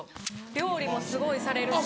料理もすごいされるし。